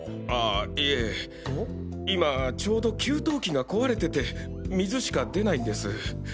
ああいえ今ちょうど給湯器が壊れてて水しか出ないんです。